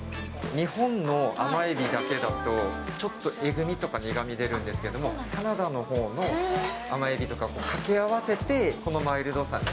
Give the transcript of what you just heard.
日本の甘エビだけだと、ちょっとえぐみとか苦み、出るんですけども、カナダのほうの甘エビとかと掛け合わせて、このマイルドさに。